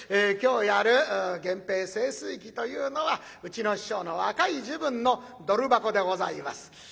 今日やる「源平盛衰記」というのはうちの師匠の若い時分のドル箱でございます。